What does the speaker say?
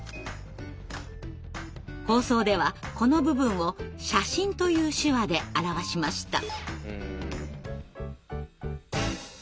放送ではこの部分を「写真」という手話で表しました。